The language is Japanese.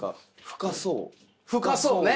深そうね！